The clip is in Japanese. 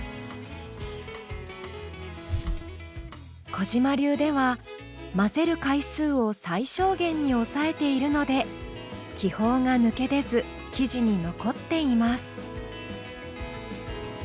小嶋流では混ぜる回数を最小限に抑えているので気泡が抜け出ず生地に残っています。